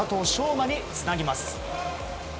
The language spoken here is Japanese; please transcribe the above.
馬につなぎます。